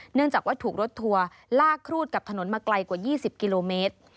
เนื่องจากว่าถูกรถทัวร์ลากครูดกับถนนมาไกลกว่า๒๐กิโลเมตร